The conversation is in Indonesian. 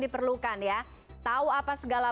diperlukan ya tahu apa segala